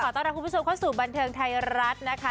ต้อนรับคุณผู้ชมเข้าสู่บันเทิงไทยรัฐนะคะ